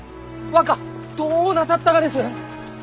若どうなさったがです！？